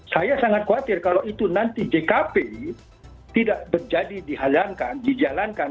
saya sangat khawatir kalau itu nanti jkp tidak menjadi dihalangkan dijalankan